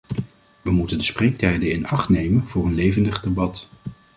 We moeten de spreektijden in acht nemen voor een levendig debat.